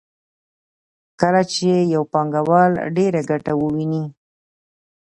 کله چې یو پانګوال ډېره ګټه وویني